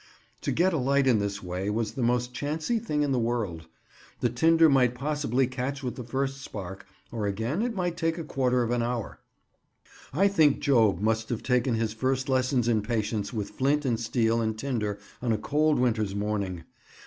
To get a light in this way was the most chancy thing in the world. The tinder might possibly catch with the first spark, or again it might take a quarter of an hour. I think Job must have taken his first lessons in patience with flint and steel and tinder on a cold winter's morning.